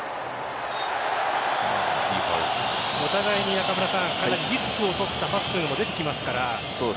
お互いにリスクを取ったパスというのも出てきますから。